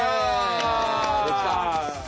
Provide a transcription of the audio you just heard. できた！